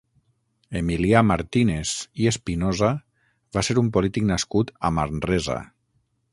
Emilià Martínez i Espinosa va ser un polític nascut a Manresa.